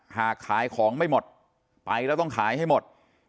ขายของไม่หมดไปแล้วต้องขายให้หมด